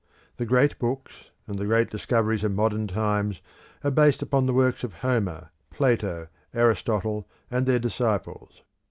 The great books and the great discoveries of modern times are based upon the works of Homer, Plato, Aristotle, and their disciples.